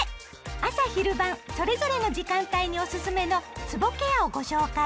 朝・昼・晩それぞれの時間帯におすすめのつぼケアをご紹介。